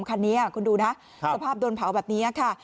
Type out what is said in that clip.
คันนี้คุณดูนะสภาพโดนเผาแบบนี้ค่ะ